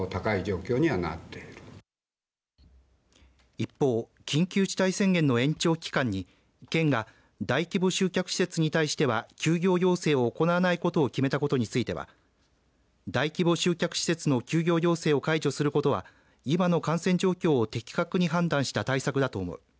一方、緊急事態宣言の延長期間に県が大規模集客施設に対しては休業要請を行わないことを決めたことについては大規模集客施設の休業要請を解除することは今の感染状況的確に判断した対策だと思う。